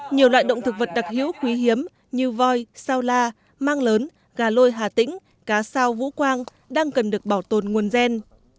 nhiều loại động thực vật đặc hữu quý hiếm như voi sao la mang lớn gà lôi hà tĩnh cá sao vũ quang đang cần được bảo tồn nguồn gen